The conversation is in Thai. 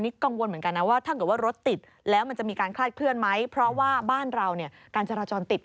นี่ก็งวลเหมือนกันนะว่าถ้าเกิดว่ารถติด